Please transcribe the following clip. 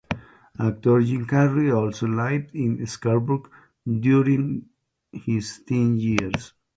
Actor Jim Carrey also lived in Scarborough during his teen years.